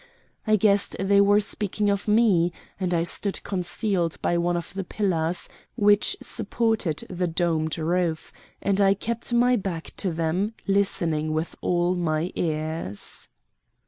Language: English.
I guessed they were speaking of me, and I stood concealed by one of the pillars which supported the domed roof, and kept my back to them, listening with all my ears.